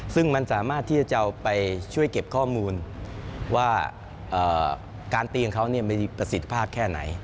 ซึ่งมันสามารถที่จะเอาไปช่วยเก็บข้อมูลว่าการตีของเขามีประสิทธิภาพแค่ไหน